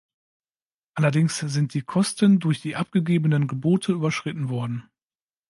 Allerdings sind die Kosten durch die abgegebenen Gebote überschritten worden.